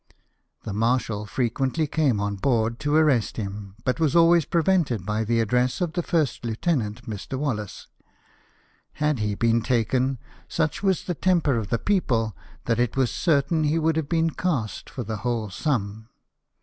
The marshal frequently came on board to arrest him, but was always prevented by the address of the first lieutenant, Mr. Wallis. Had he been taken, such was the temper of the people, that it was certain he would have been cast for the whole sum.